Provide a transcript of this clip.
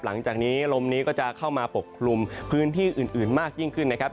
หลังจากนี้ลมนี้ก็จะเข้ามาปกคลุมพื้นที่อื่นมากยิ่งขึ้นนะครับ